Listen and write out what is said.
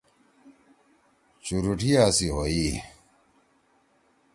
چُوریٹیا سی ہوئی۔